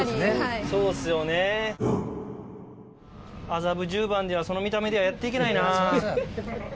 麻布十番ではその見た目ではやって行けないな。